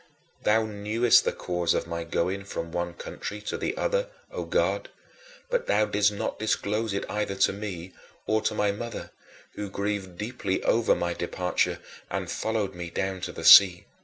15. Thou knewest the cause of my going from one country to the other, O God, but thou didst not disclose it either to me or to my mother, who grieved deeply over my departure and followed me down to the sea.